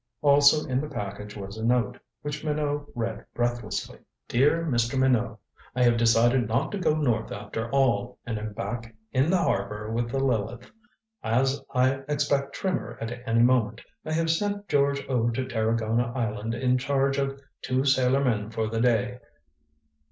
Also in the package was a note, which Minot read breathlessly. "DEAR MR. MINOT: "I have decided not to go north after all, and am back in the harbor with the Lileth. As I expect Trimmer at any moment I have sent George over to Tarragona Island in charge of two sailormen for the day.